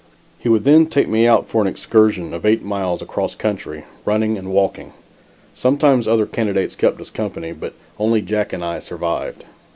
He would then take me out for an excursion of eight miles across country, running and walking. Sometimes other candidates kept us company, but only Jack and I survived.